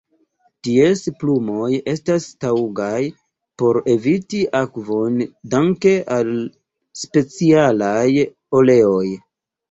Ties plumoj estas taŭgaj por eviti akvon danke al specialaj oleoj.